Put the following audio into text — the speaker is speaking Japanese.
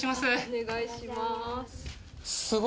お願いします。